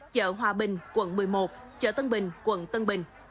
chợ hòa bình quận một mươi một chợ tân bình quận tân bình